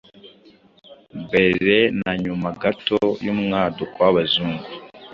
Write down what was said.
mbere na nyuma gato y’umwaduko w’abazungu.